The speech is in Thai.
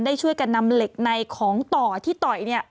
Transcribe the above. ได้ช่วยกันนำเหล็กในของต่อที่ต่อย